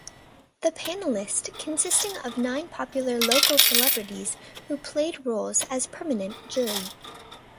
The panelist consisting of nine popular local celebrities who played role as permanent jury.